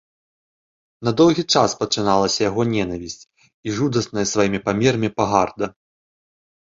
На доўгі час пачыналася яго нянавісць і жудасная сваімі памерамі пагарда.